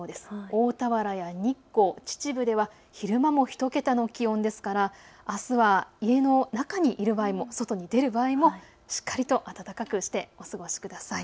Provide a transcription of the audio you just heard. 大田原や日光、秩父では昼間も１桁の気温ですからあすは家の中にいる場合も、外に出る場合も、しっかりと暖かくしてお過ごしください。